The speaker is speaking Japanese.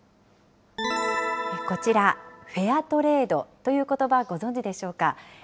こちら、フェアトレードということば、ご存じでしょうか。